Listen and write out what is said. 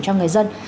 cho người dân